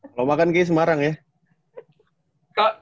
kalau makan kayak semarang ya